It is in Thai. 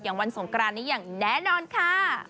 วันสงกรานนี้อย่างแน่นอนค่ะ